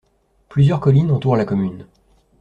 Plusieurs collines entourent la commune.